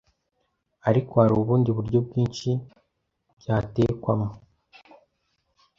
ariko hari ubundi buryo bwinshi byatekwamo